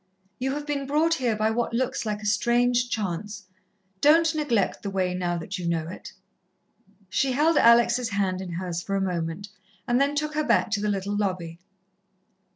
You have been brought here by what looks like a strange chance. Don't neglect the way now that you know it." She held Alex' hand in hers for a moment, and then took her back to the little lobby.